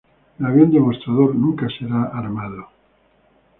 El avión demostrador nunca será armado.